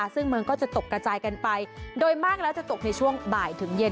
ซึ่งเมืองก็จะไปตกประจายกันโดยมั่งจะตกใบบ่ายถึงเย็น